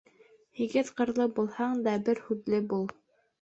Һигеҙ ҡырлы булһаң да бер һүҙле бул.